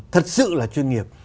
thật sự là chuyên nghiệp